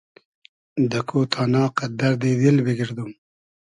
دۂ کۉ تانا قئد دئردی دیل بیگئردوم